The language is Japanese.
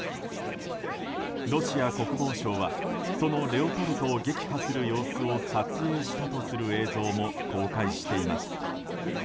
ロシア国防省はそのレオパルトを撃破する様子を撮影したとする映像も公開しています。